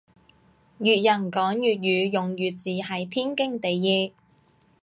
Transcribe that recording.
粵人講粵語用粵字係天經地義